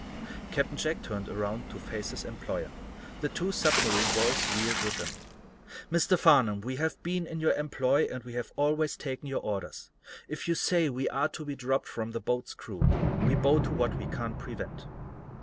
Captain Jack turned around to face his employer; the other two submarine boys wheeled with him. "Mr. Farnum, we have been in your employ, and we have always taken your orders. If you say we are to be dropped from the boat's crew, we bow to what we can't prevent."